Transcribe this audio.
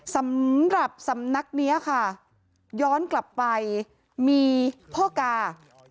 สำหรับสำนักนี้ค่ะย้อนกลับไปมีพ่อกา